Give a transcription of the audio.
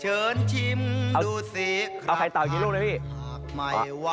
เอาไข่เตาให้กินหนึ่งเลยพี่